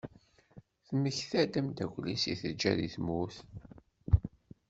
Temmekta-d ameddakel-is i teǧǧa deg tmurt.